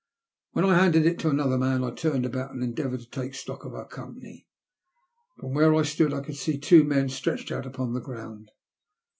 When I had handed it to another man, I turned about and endeavoured to take stock of our company. From where I stood I could see two men stretched out upon the ground.